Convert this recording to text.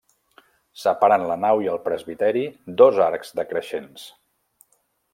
Separen la nau i el presbiteri dos arcs decreixents.